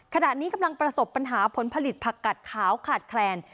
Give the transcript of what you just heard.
ขณะนี้กำลังประสบปัญหาผลผลิตผักกัดขาวขาดแคลน